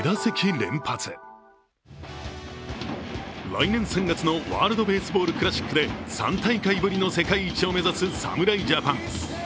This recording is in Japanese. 来年３月のワールドベースボールクラシックで３大会ぶりの世界一を目指す侍ジャパン。